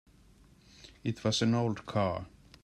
It was an old car.